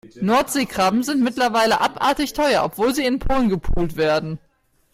Nordseekrabben sind mittlerweile abartig teuer, obwohl sie in Polen gepult werden.